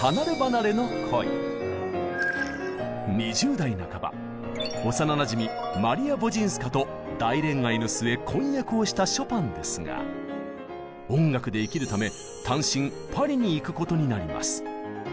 ２０代半ば幼なじみマリア・ヴォジンスカと大恋愛の末婚約をしたショパンですが音楽で生きるため単身パリに行くことになります。